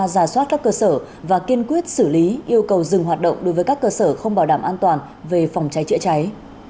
giả soát các cơ sở và kiên quyết xử lý yêu cầu dừng hoạt động đối với các cơ sở không bảo đảm an toàn về phòng cháy chữa cháy